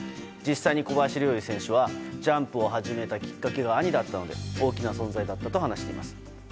実際に小林陵侑選手はジャンプを始めたきっかけが兄だったので大きな存在だったと話しています。